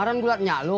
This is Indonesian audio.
gak usah nanya lu